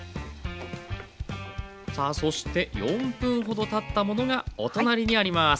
さあそして４分ほどたったものがお隣にあります。